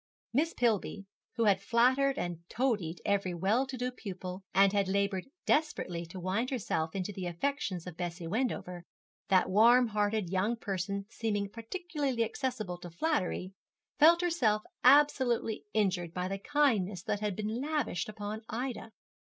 Miss Pillby, who had flattered and toadied every well to do pupil, and laboured desperately to wind herself into the affections of Bessie Wendover, that warm hearted young person seeming particularly accessible to flattery, felt herself absolutely injured by the kindness that had been lavished upon Ida.